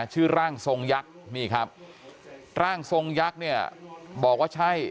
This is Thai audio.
ชื่อร่างทรงยักษ์นี่ครับร่างทรงยักษ์เนี่ยบอกว่าใช่